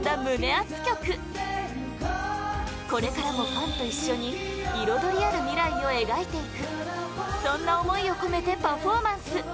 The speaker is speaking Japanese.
アツ曲これからもファンと一緒に彩りある未来を描いていくそんな思いを込めてパフォーマンス！